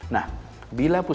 nah bila pusat rumah